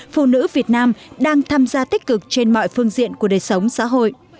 phụ nữ việt nam đang tham gia tích cực trên mọi phương diện của đời sống xã hội